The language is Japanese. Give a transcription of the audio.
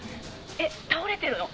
「えっ倒れてるの！？